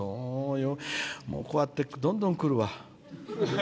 こうやって、どんどんくるわ。